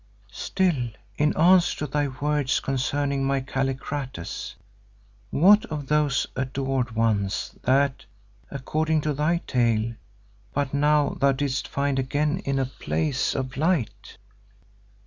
Still, in answer to thy words concerning my Kallikrates, what of those adored ones that, according to thy tale, but now thou didst find again in a place of light?